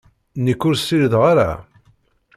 Nekk ur ssirideɣ ara.